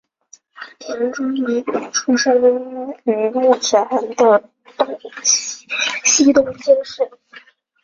田中美保出生于目前的西东京市。